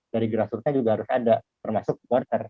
dari grassrootnya juga harus ada termasuk supporter